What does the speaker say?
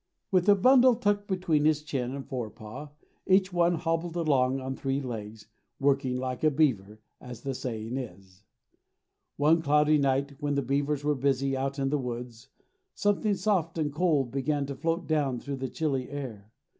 With a bundle tucked between his chin and fore paw, each one hobbled along on three legs, "working like a beaver," as the saying is. One cloudy night, when the beavers were busy out in the woods, something soft and cold began to float down through the chilly air.